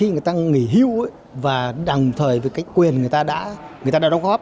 nếu người ta không nghỉ hưu và đồng thời với cái quyền người ta đã đóng góp